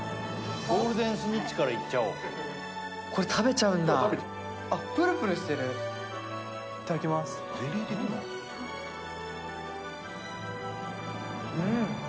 ゴールデン・スニッチからいっちゃおうこれ食べちゃうんだあっプルプルしてるいただきますうん！